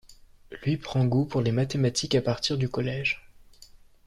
Lui prend goût pour les mathématiques à partir du collège.